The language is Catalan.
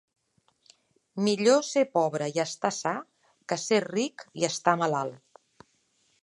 Millor ser pobre i estar sa que ser ric i estar malalt.